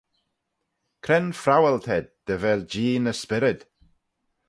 Cre'n phrowal t'ayd dy vel Jee ny spyrryd?